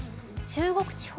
中国地方